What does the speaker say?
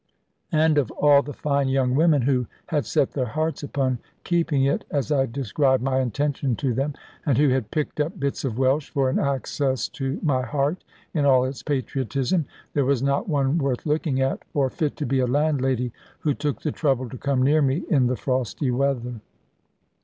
And of all the fine young women who had set their hearts upon keeping it (as I described my intention to them), and who had picked up bits of Welsh, for an access to my heart in all its patriotism, there was not one worth looking at, or fit to be a landlady, who took the trouble to come near me, in the frosty weather.